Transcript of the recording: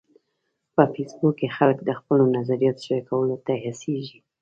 په فېسبوک کې خلک د خپلو نظریاتو شریکولو ته هڅیږي.